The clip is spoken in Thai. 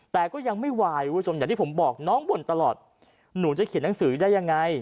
แต่ก็ยังไม่วายคุณผู้ชมอย่างที่ผมบอกน้องบ่นตลอดหนูจะเขียนหนังสือได้ยังไง